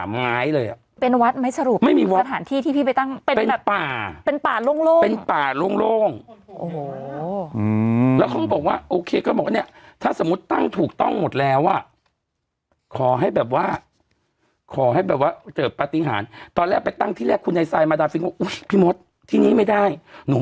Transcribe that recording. หนึ่งมีที่หนึ่งมีที่หนึ่งมีที่หนึ่งมีที่หนึ่งมีที่หนึ่งมีที่หนึ่งมีที่หนึ่งมีที่หนึ่งมีที่หนึ่ง